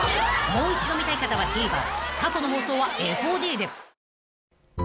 ［もう一度見たい方はＴＶｅｒ過去の放送はＦＯＤで］